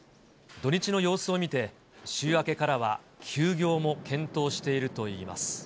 土日の様子を見て、週明けからは休業も検討しているといいます。